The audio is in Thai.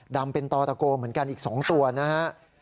ดำเป็นต่อตะโกเหมือนกันอีก๒ตัวนะฮะ